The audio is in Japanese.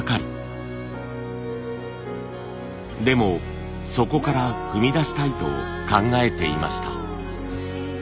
でもそこから踏み出したいと考えていました。